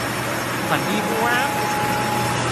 ฝันดีบ๊วบ